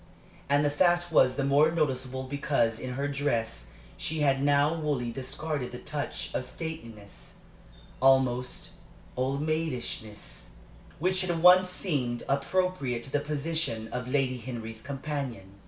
And the fact was the more noticeable because in her dress she had now wholly discarded the touch of stateliness almost old maidishness which had once seemed appropriate to the position of Lady Henry's companion.